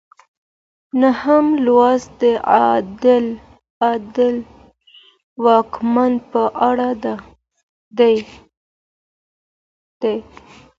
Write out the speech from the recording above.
نهم لوست د عادل واکمن په اړه دی.